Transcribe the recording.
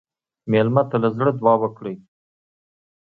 مېلمه ته له زړه دعا وکړئ.